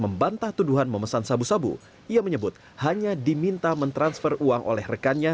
membantah tuduhan memesan sabu sabu ia menyebut hanya diminta mentransfer uang oleh rekannya